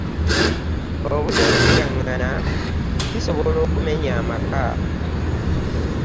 Obuteesigangana kisobola okumenya amaka.